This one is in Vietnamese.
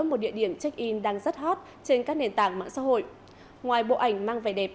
một địa điểm check in đang rất hot trên các nền tảng mạng xã hội ngoài bộ ảnh mang vẻ đẹp